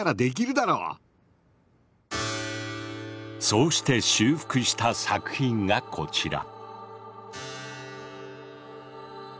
そうして修復した作品がこちら。